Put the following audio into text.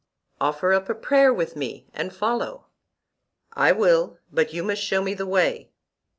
Offer up a prayer with me and follow. I will, but you must show me the way.